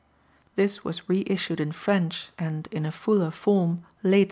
This was re issued in French and in a fuller form later.